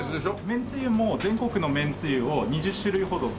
めんつゆも全国のめんつゆを２０種類ほどそろえていて。